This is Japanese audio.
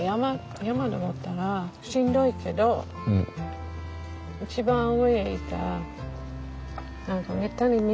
山登ったらしんどいけど一番上へ行ったら何かめったに見えない景色見えるでしょう？